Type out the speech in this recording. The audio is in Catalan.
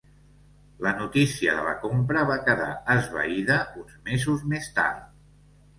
La notícia de la compra va quedar esvaïda uns mesos més tard.